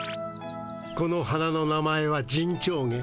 この花の名前はジンチョウゲ。